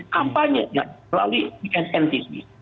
kampanye melalui nntv